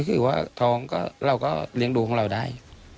ก็คือว่าท้องเราก็เลี้ยงดูของเราได้